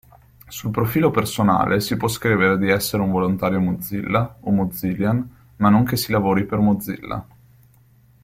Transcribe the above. Sul profilo personale si può scrivere di essere un volontario Mozilla o Mozillian ma non che si lavori per Mozilla.